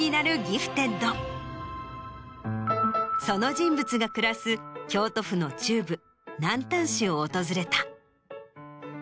その人物が暮らす京都府の中部南丹市を訪れた。